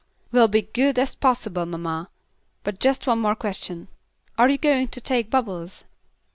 "We'll be good as possible, mamma, but just one more question: are you going to take Bubbles?"